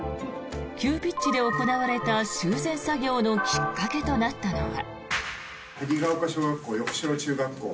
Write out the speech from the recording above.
急ピッチで行われた修繕作業のきっかけとなったのは。